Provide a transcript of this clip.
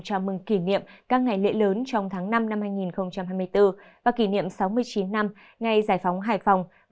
chào mừng kỷ niệm các ngày lễ lớn trong tháng năm năm hai nghìn hai mươi bốn và kỷ niệm sáu mươi chín năm ngày giải phóng hải phòng